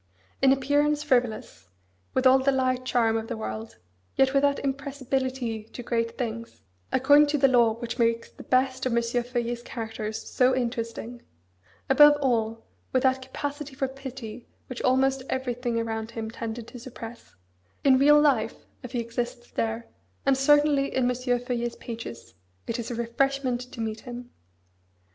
In appearance, frivolous; with all the light charm of the world, yet with that impressibility to great things, according to the law which makes the best of M. Feuillet's characters so interesting; above all, with that capacity for pity which almost everything around him tended to suppress; in real life, if he exists there, and certainly in M. Feuillet's pages, it is a refreshment to meet him.